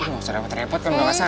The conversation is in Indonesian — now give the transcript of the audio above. wah mau serabat repot kan udah masak